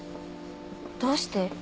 どうして？